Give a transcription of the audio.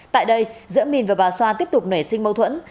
tại đây giữa mìn và bà xoa tiếp tục nể sinh mâu thuẫn